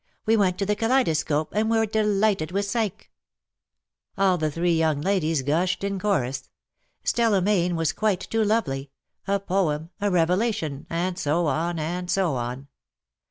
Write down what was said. We went to the Kaleidoscope, and were delighted with Psyche.^^ All three young ladies gushed in chorus. Stella Mayne was quite too lovely — a poem, a revelation, and so on, and so on.